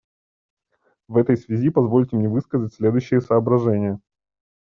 В этой связи позвольте мне высказать следующие соображения.